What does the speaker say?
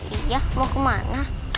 iya mau kemana